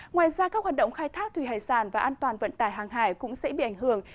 ngoài ra các hoạt động khai thác thủy hải sản và an toàn vận tải hàng hải cũng sẽ bị ảnh hưởng